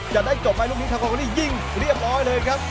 จะได้จบไมลุกนี้ทำส่องตัวนี้ยิงเรียบร้อยเลยครับ